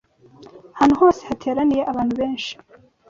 Ahantu hose hateraniye abantu benshi